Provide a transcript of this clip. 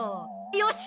よし！